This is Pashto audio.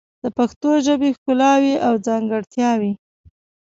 د پښتو ژبې ښکلاوې او ځانګړتیاوې